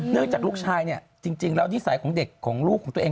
เนื่องจากลูกชายจริงแล้วนิสัยของเด็กของลูกของตัวเอง